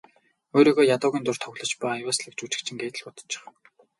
Өөрийгөө ядуугийн дүрд тоглож буй авъяаслагжүжигчин гээд л бодчих.